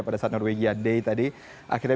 pada saat norwegia day tadi akhirnya